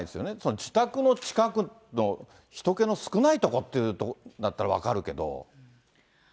自宅の近くのひと気の少ないとこっていうとこだったら分かるけど。